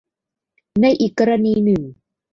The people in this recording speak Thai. ในอีกกรณีหนึ่ง